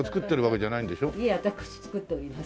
いえ私作っております。